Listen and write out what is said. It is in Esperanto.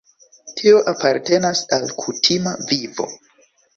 Tio apartenas al kutima vivo.